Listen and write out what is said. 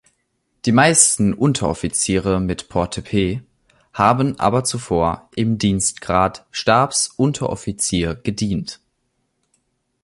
Die meisten Unteroffiziere mit Portepee haben aber zuvor im Dienstgrad Stabsunteroffizier gedient.